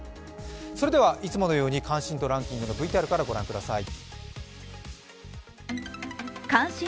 それではいつものように関心度ランキングのＶＴＲから御覧ください。